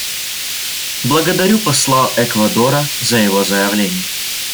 Благодарю посла Эквадора за его заявление.